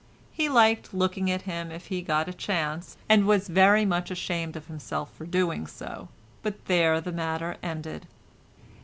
He liked looking at him if he got a chance, and was very much ashamed of himself for doing so, but there the matter ended.